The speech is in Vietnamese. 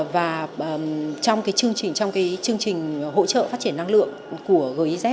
và trong cái chương trình hỗ trợ phát triển năng lượng của giz